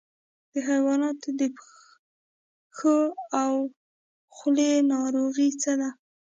د حیواناتو د پښو او خولې ناروغي څه ده؟